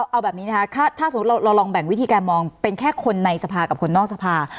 เอาแบบนี้นะคะถ้าสมมุติเราลองแบ่งวิธีการมองเป็นแค่คนในสภากับคนนอกสภา